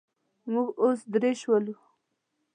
موږ اوس درې شولو.